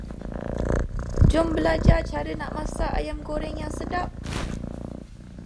Jom berlajar cara nak masak ayam goreng yang sedap.